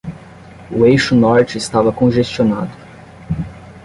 O eixo norte estava congestionado.